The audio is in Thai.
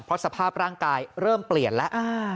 เพราะสภาพร่างกายเริ่มเปลี่ยนแล้ว